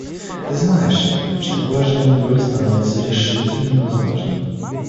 Ты знаешь, что положение Долли становится решительно невозможным?